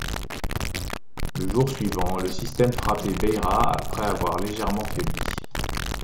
Le jour suivant, le système frappait Beira après voir légèrement faibli.